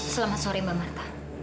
selamat sore mbak marta